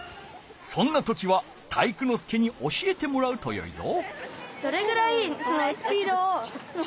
そんな時は体育ノ介に教えてもらうとよいぞ。